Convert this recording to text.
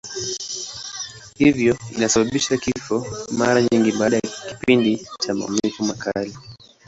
Hivyo inasababisha kifo, mara nyingi baada ya kipindi cha maumivu makali.